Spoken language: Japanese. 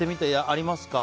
ありますか？